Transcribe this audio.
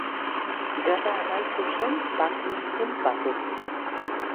Gerra amaitu zen bake-itun batekin.